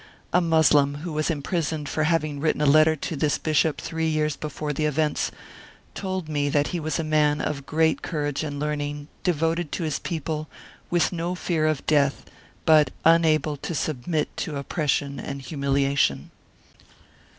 A Moslem, who was imprisoned for having written a letter to this bishop three years before the^events, told me that he was a man of great courage and 26 Martyred Armenia learning, devoted to his people, with no fear of death, but unable to submit to oppression and humiliation.